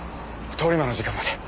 通り魔の時間まで。